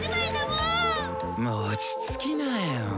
もー落ち着きなよ。